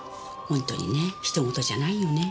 本当にねひとごとじゃないよね。